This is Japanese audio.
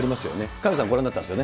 萱野さん、ご覧になったんですよ